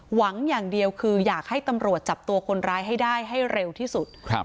หวังอย่างเดียวคืออยากให้ตำรวจจับตัวคนร้ายให้ได้ให้เร็วที่สุดครับ